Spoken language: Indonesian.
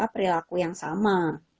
perilaku yang sama